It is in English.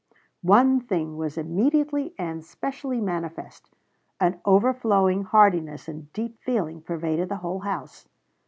One thing was immediately and specially manifest: an overflowing heartiness and deep feeling pervaded the whole house.